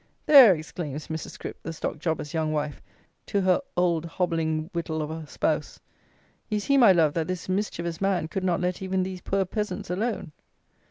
"There!" exclaims Mrs. Scrip, the stock jobber's young wife, to her old hobbling wittol of a spouse, "You see, my love, that this mischievous man could not let even these poor peasants alone."